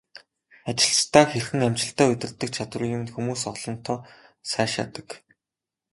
Ажилчдаа хэрхэн амжилттай удирддаг чадварыг минь хүмүүс олонтаа сайшаадаг.